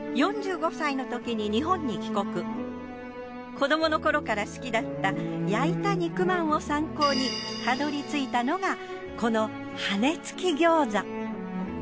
子どもの頃から好きだった焼いた肉まんを参考にたどり着いたのがこの羽根付き餃子。